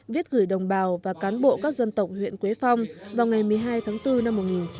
viết gửi đồng bào và cán bộ các dân tộc huyện quế phong vào ngày một mươi hai tháng bốn năm một nghìn chín trăm bảy mươi